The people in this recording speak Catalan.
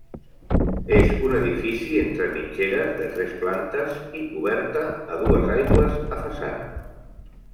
És un edifici entre mitgeres de tres plantes i coberta a dues aigües a façana.